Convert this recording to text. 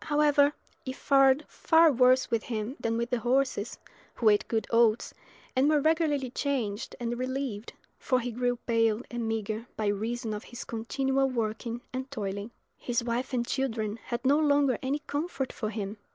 However, it fared far worse with him than with his horses, who ate good oats, and were regularly changed and relieved, for he grew pale and meagre by reason of his continual working and toiling. His wife and children had no longer any comfort for him.